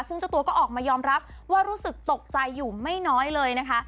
ซึ่งเจ้าตัวก็ออกมายอมรับว่ารู้สึกตกใจอยู่ไม่น้อยเลยนะคะ